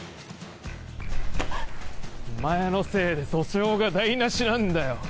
お前のせいで訴訟が台なしなんだよ。